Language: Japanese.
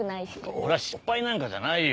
俺は失敗なんかじゃないよ。